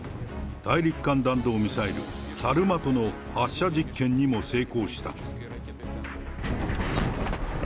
大陸間弾道ミサイル、サルマトの発射実験にも成功した。